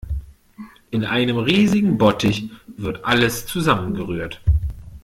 In einem riesigen Bottich wird alles zusammengerührt.